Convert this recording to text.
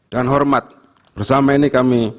dan hormat bersama ini kami